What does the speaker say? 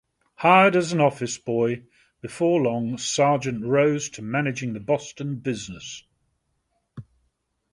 Hired as an office boy, before long Sargent rose to managing the Boston business.